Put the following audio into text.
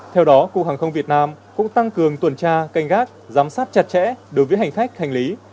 theo đó cục hàng không việt nam cũng tăng cường tuần tra canh gác giám sát chặt chẽ đối với hành khách hành lý